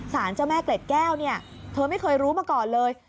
สารเจ้าแม่เกล็ดแก้วเนี่ยเธอไม่เคยรู้มาก่อนเลย